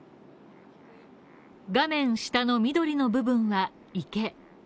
画面下の緑の部分は、池。